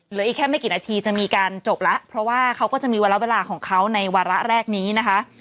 เหลืออีกแค่ไม่กี่นาทีจะมีการจบแล้วเพราะว่าเขาก็จะมีวาระเวลาของเขาในวาระแรกนี้นะคะ